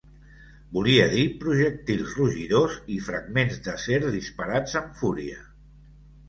Volia dir projectils rugidors i fragments d'acer disparats amb fúria